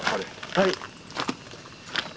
はい。